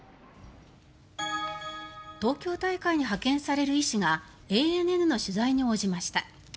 東京大会に派遣される医師がＡＮＮの取材に応じました。